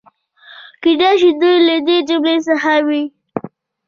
کېدای شي دوی له دې جملې څخه وي.